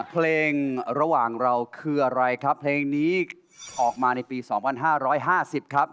เพลงระหว่างเราคืออะไรครับเพลงนี้ออกมาในปี๒๕๕๐ครับ